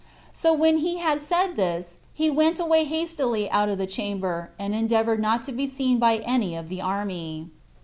So when he had said this, he went away hastily out of the chamber, and endeavored not to be seen by any of the army.